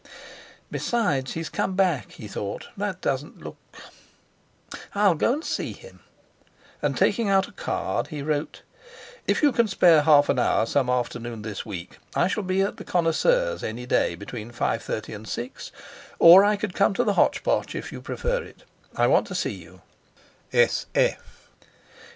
"Besides, he's come back," he thought; "that doesn't look—I'll go and see him!" and, taking out a card, he wrote: "If you can spare half an hour some afternoon this week, I shall be at the Connoisseurs any day between 5.30 and 6, or I could come to the Hotch Potch if you prefer it. I want to see you.